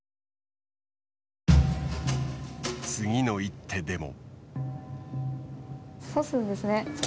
次の一手でも。